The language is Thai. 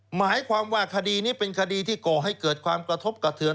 หมายความว่าคดีนี้เป็นคดีที่ก่อให้เกิดความกระทบกระเทือน